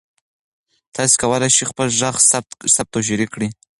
تاسي کولای شئ خپل غږ ثبت او شریک کړئ.